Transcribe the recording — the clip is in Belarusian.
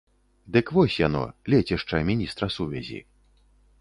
Дык вось яно, лецішча міністра сувязі.